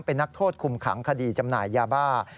เป็นนักโทษคุมขังคดีจำหน่ายยาบ้า